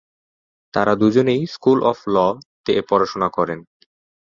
তারা দুজনেই school of ল-এ পড়াশোনা করেন।